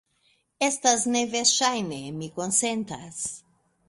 Estas neverŝajne; mi konsentas.